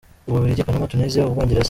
U Bubiligi, Panama, Tunisia, U Bwongereza